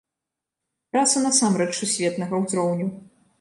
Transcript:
Траса насамрэч сусветнага узроўню.